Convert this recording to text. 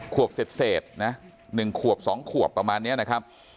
ขวบเศษนะ๑ขวบ๒ขวบประมาณนี้นะครับ